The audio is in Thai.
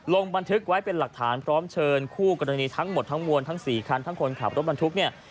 ลงบันทึกไว้เป็นหลักฐานพร้อมเชิญคู่กรณีทั้งหมดทั้งมวลทั้ง๔คันทั้งคนขับรถบรรทุกเนี่ย